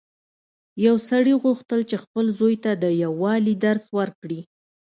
یو سړي غوښتل چې خپل زوی ته د یووالي درس ورکړي.